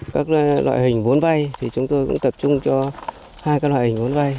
các loại hình vốn vay thì chúng tôi cũng tập trung cho hai loại hình vốn vay